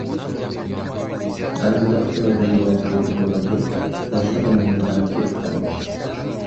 Ba’zida hikoyadagi voqelik rivoji boshqa tomonga qarab ketib qoladi.